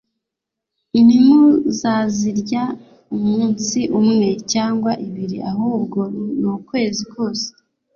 Ntimuzazirya umunsi umwe cyangwa ibiri ahubwo nukwezi kose